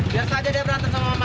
biar saja dia berantem sama mama